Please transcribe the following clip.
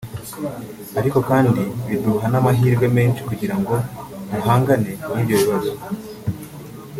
ariko kandi biduha n’amahirwe menshi kugira ngo duhangane n’ibyo bibazo